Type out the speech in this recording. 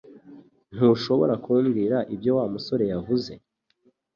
Ntushobora kumbwira ibyo Wa musore yavuze?